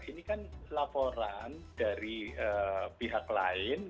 ini kan laporan dari pihak lain